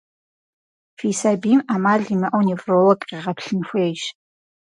Фи сабийм Ӏэмал имыӀэу невролог къегъэплъын хуейщ.